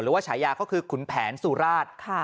หรือว่าฉายาก็คือขุนแผนสุราช